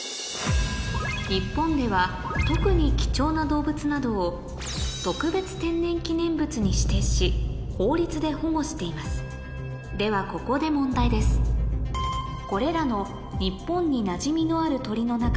日本では特に貴重な動物などをに指定し法律で保護していますではここで問題です俺は。